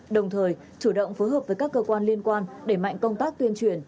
đồng thời chủ động phối hợp với các cơ quan liên quan để mạnh công tác tuyên truyền